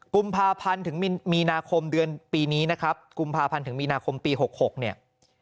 กุมภาพันธ์ถึงมีนาคมเดือนปีนี้นะครับกุมภาพันธ์ถึงมีนาคมปี๖๖เนี่ย